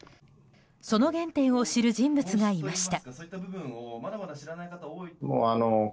その原点を知る人物がいました。